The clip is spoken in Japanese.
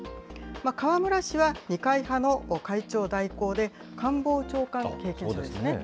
河村氏は二階派の会長代行で、官房長官経験者ですね。